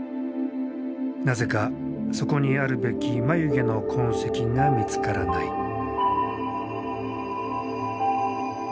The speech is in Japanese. なぜかそこにあるべき眉毛の痕跡が見つからない。